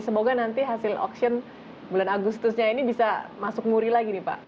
semoga nanti hasil auction bulan agustusnya ini bisa masuk muri lagi nih pak